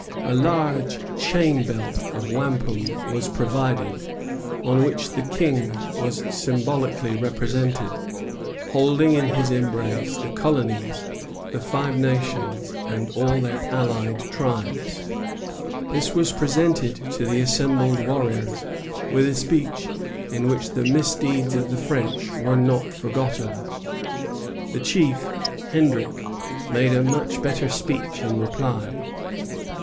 A large "chain belt" of wampum was provided, on which the King was symbolically represented, holding in his embrace the colonies, the Five Nations, and all their allied tribes. This was presented to the assembled warriors, with a speech in which the misdeeds of the French were not forgotten. The chief, Hendrick, made a much better speech in reply.